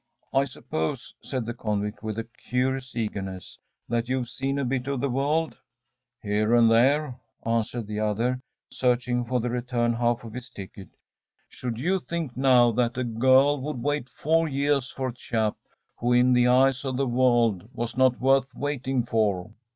“I suppose,‚ÄĚ said the convict, with a curious eagerness, “that you have seen a bit of the world?‚ÄĚ “Here and there,‚ÄĚ answered the other, searching for the return half of his ticket. “Should you think, now, that a girl would wait four years for a chap who, in the eyes of the world, was not worth waiting for?